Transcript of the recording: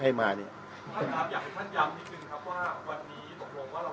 อยากให้ท่านยำนิดนึงครับว่าวันนี้ตกลงว่าเรายังไม่สามารถก่อพิจารณ์ได้